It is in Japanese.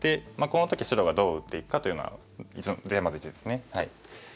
この時白がどう打っていくかというのがテーマ図１ですね。